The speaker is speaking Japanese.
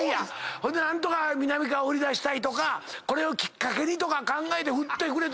ほんで何とかみなみかわを売り出したいとかこれをきっかけにとか考えて振ってくれた。